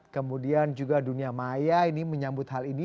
kemudian juga dunia maya ini menyambut hal ini